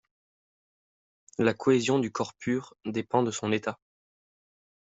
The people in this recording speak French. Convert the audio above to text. La cohésion d'un corps pur dépend de son état.